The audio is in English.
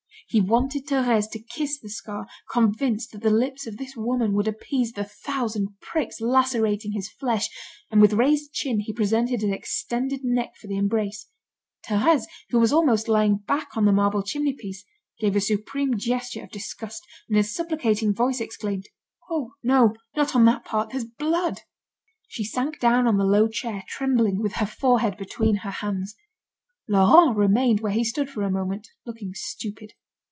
He wanted Thérèse to kiss the scar, convinced that the lips of this woman would appease the thousand pricks lacerating his flesh, and with raised chin he presented his extended neck for the embrace. Thérèse, who was almost lying back on the marble chimney piece, gave a supreme gesture of disgust, and in a supplicating voice exclaimed: "Oh! no, not on that part. There is blood." She sank down on the low chair, trembling, with her forehead between her hands. Laurent remained where he stood for a moment, looking stupid.